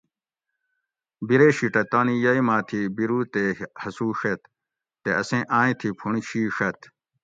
بِرے شِیٹہ تانی یئی ما تھی بِرو تے ہسوڛیت تے اسیں آۤئیں تھی پُھونڑ شی ڛت